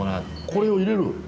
これを入れる？